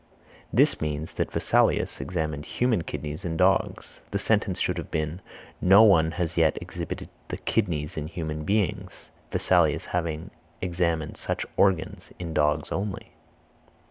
This means that Vesalius examined human kidneys in dogs. The sentence should have been, "No one had as yet exhibited the kidneys in human beings, Vesalius having examined such organs in dogs only."